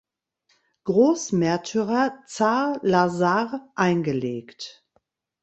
Großmärtyrer Zar Lazar eingelegt.